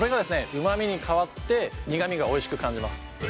旨味に変わって苦味がおいしく感じます。